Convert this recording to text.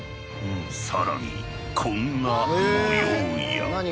更にこんな模様や。